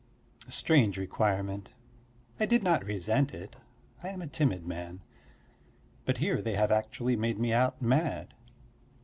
A strange requirement. I did not resent it, I am a timid man; but here they have actually made me out mad.